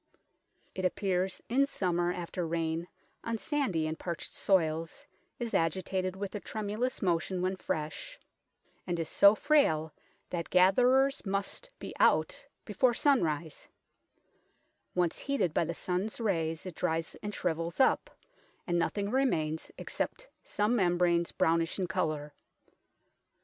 It appears in summer after rain on sandy and parched soils, is agitated with a tremulous motion when fresh, and is so frail that gatherers must be out before sunrise ; once heated by the sun's rays it dries and shrivels up, and nothing remains except some membranes brownish in colour.